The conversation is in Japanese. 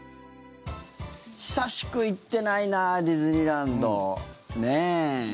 久しく行ってないなディズニーランド。